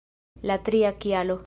La tria kialo!